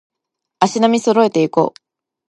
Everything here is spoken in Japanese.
足並み揃えていこう